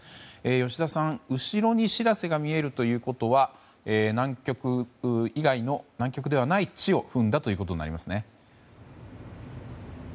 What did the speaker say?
吉田さん、後ろに「しらせ」が見えるということは南極ではない地を踏んだということになりますね。